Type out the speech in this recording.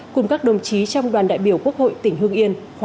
cùng các đồng chí trong đoàn đại biểu quốc hội tỉnh hương yên khóa một mươi